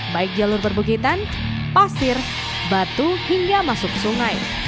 baik jalur berbukitan pasir batu hingga masuk sungai